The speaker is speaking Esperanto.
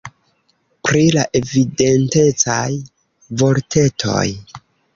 Pri la "Evidentecaj" vortetoj